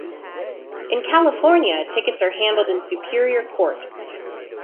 In California tickets are handled in Superior Court.